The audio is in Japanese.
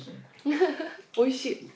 おいしい。